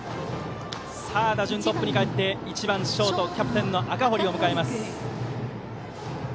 さあ、打順がトップにかえって１番ショートキャプテンの赤堀を迎えます。